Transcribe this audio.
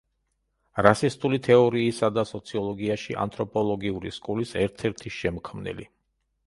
რასისტული თეორიისა და სოციოლოგიაში ანთროპოლოგიური სკოლის ერთ-ერთი შემქმნელი.